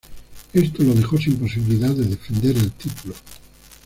Esto lo dejó sin posibilidad de defender el título.